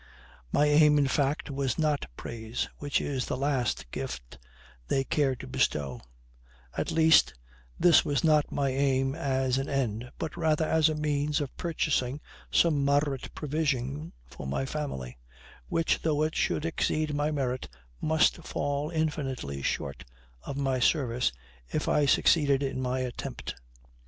My aim, in fact, was not praise, which is the last gift they care to bestow; at least, this was not my aim as an end, but rather as a means of purchasing some moderate provision for my family, which, though it should exceed my merit, must fall infinitely short of my service, if I succeeded in my attempt.